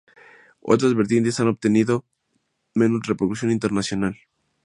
Otras vertientes han obtenido menos repercusión internacional.